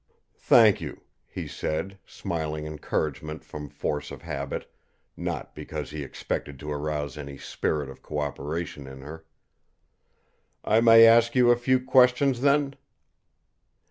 "Thank you," he said, smiling encouragement from force of habit, not because he expected to arouse any spirit of cooperation in her. "I may ask you a few questions then?"